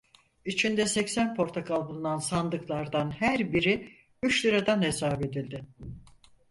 İçinde seksen portakal bulunan sandıklardan her biri üç liradan hesap edildi.